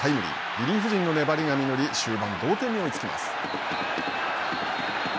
リリーフ陣の粘りが実り終盤、同点に追いつきます。